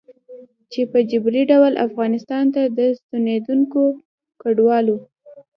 چې په جبري ډول افغانستان ته د ستنېدونکو کډوالو